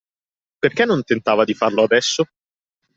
Perché non tentava di farlo adesso?